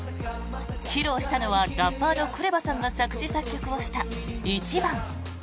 披露したのはラッパーのＫＲＥＶＡさんが作詞作曲した「ｉｃｈｉｂａｎ」。